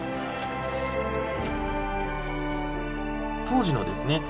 当時のですね